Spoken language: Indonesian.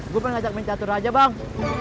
gua pengen ngajak main catur aja bang